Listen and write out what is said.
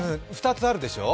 ２つあるでしょ？